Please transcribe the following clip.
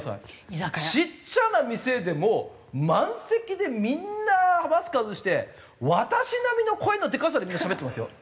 ちっちゃな店でも満席でみんなマスク外して私並みの声のでかさでみんなしゃべってますよ。